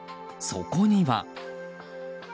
そこには。